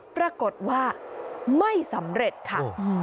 ปรากฏว่าไม่สำเร็จค่ะ